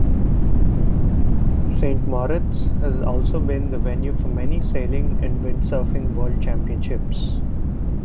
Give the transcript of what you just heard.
Saint Moritz has also been the venue for many Sailing and Windsurfing World Championships.